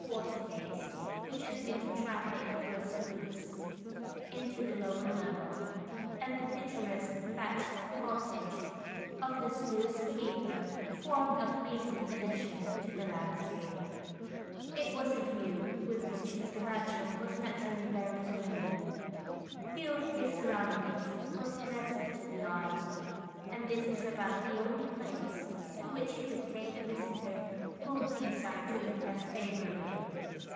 water gates which admitted traffic through a sluice, into the lower level, and the picturesque thatched cottage of the sluice keeper formed a pleasing addition to the landscape. It was a view with which Mr. Batchel was naturally very familiar. Few of his surroundings were pleasant to the eye, and this was about the only place to which he could take a visitor whom he desired to impress favourably.